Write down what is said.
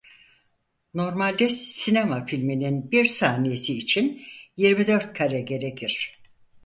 Normalde sinema filminin bir saniyesi için yirmi dört kare gerekir.